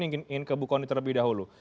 ingin ke bu kony terlebih dahulu